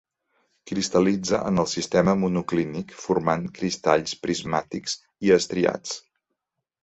Cristal·litza en el sistema monoclínic, formant cristalls prismàtics i estriats.